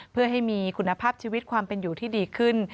เพื่อให้มีคุณภาพชีวิตความเป็นอยู่ที่ดีขึ้น